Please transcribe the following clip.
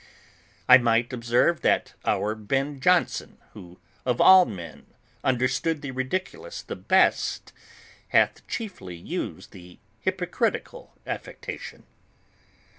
I might observe that our Ben Jonson, who of all men understood the Ridiculous the best, hath chiefly used the hypocritical affectation.